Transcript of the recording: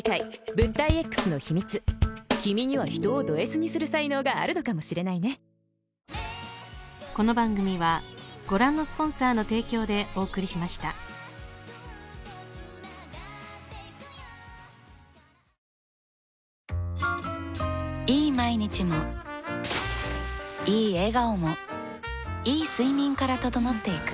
物体Ｘの秘密君には人をドＳにする才能があるのかもしれないねいい毎日もいい笑顔もいい睡眠から整っていく